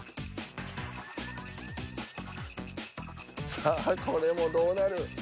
さあこれもどうなる。